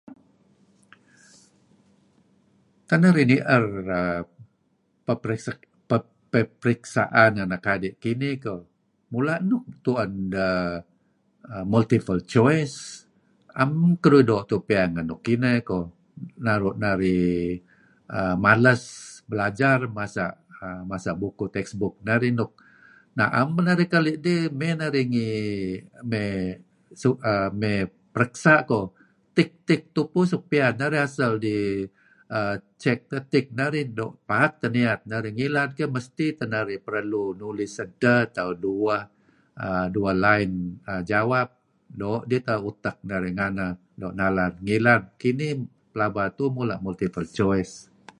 tak narih nier pep peperiksaan anak adi' kinih keyh mula' nuk tuen deh uhm multiple choice. Am keduih doo' tuuh piyan ngen nuk kineh. May koh naru' narih malas balajar masa' bukuh textbook narih nuk naem man narih keli' dih. May narih ngi may, may periksa' koh tick-tick tupu suk pian narih asal dih check tick narih doo' paak teh niat narih. Nglad keyh, mesti tah narih perlu nulis edteh atau dueh uhm line jawap doo' ditauh utek narih nganeh nalan ngilad. Kinih, mula tuuh multiple choice.